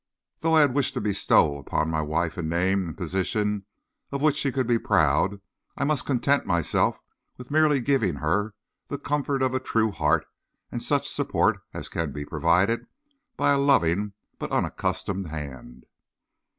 Though I had wished to bestow upon my wife a name and position of which she could be proud, I must content myself with merely giving her the comfort of a true heart and such support as can be provided by a loving but unaccustomed hand."